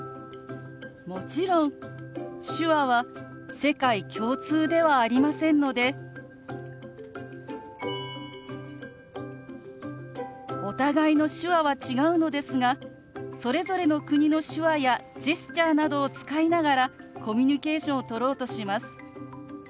もちろん手話は世界共通ではありませんのでお互いの手話は違うのですがそれぞれの国の手話やジェスチャーなどを使いながらコミュニケーションをとろうとします。